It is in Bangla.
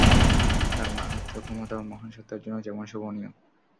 তার মাহাত্ম, ক্ষমতা ও মহান সত্তার জন্য যেমন শোভনীয়।